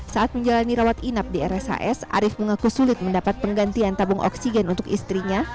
saat menjalani rawat inap di rshs arief mengaku sulit mendapat penggantian tabung oksigen untuk istrinya